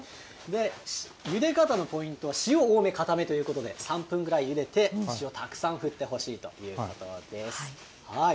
ゆで方のポイントは塩多め、かためということで、３分ぐらいゆでて、塩たくさん振ってほしいということです。